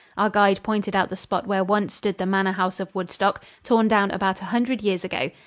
Our guide pointed out the spot where once stood the manor house of Woodstock, torn down about a hundred years ago.